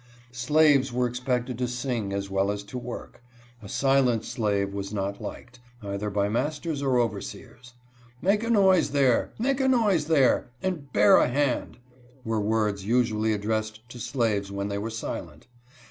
Slaves were expected to sing as well as to work. A silent slave was not liked, either by masters or overseers. "Make a noise there ! Make a noise there !" and " bear a hand," were words usually addressed to slaves when they were silent.